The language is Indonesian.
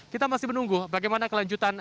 kita masih menunggu bagaimana kelanjutan